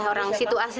sudah orang situ asli